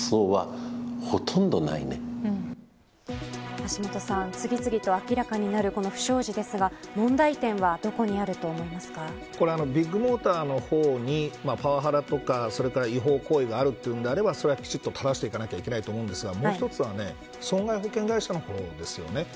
橋下さん、次々と明らかになる不祥事ですが問題点はビッグモーターの方にパワハラとか違法行為があるというんであればそれはきちんと正していかなければいけないと思いますがもう一つは損害保険会社の方ですよね。